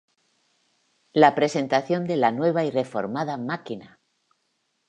La presentación de la nueva y reformada Máquina!